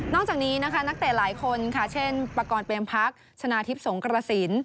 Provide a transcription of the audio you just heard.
นอกจากนี้นะคะนักเตะหลายคนค่ะเช่นประกอบเปลี่ยนพักษ์ชนะทิพย์สงกระสิน